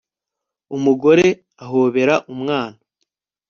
umugore ahobera umwana